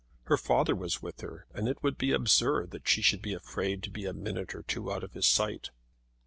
Her father was with her, and it would be absurd that she should be afraid to be a minute or two out of his sight.